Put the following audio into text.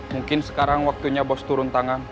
mungkin sekarang waktunya bos turun tangan